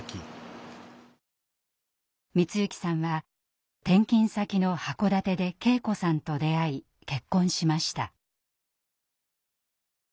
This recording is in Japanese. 光行さんは転勤先の函館で圭子さんと出会い結婚しました。